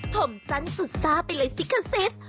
ผมสั้นสุดซ่าไปเลยสิคะซิส